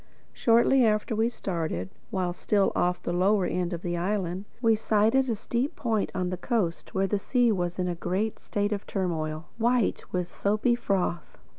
Shortly after we started, while still off the lower end of the island, we sighted a steep point on the coast where the sea was in a great state of turmoil, white with soapy froth.